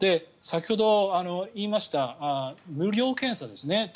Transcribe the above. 先ほど言いました無料検査ですね。